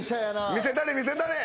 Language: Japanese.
見せたれ見せたれ！